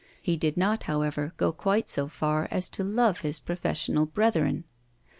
He did not, however, go quite so far as to love his professional brethren.